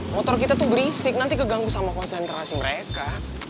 motor kita tuh berisik nanti keganggu sama konsentrasi mereka